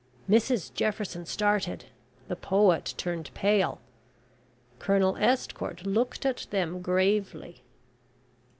Mrs Jefferson started, the poet turned pale. Colonel Estcourt looked at them gravely.